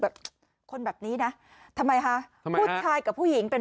แบบคนแบบนี้นะทำไมคะผู้ชายกับผู้หญิงเป็น